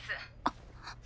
あっ。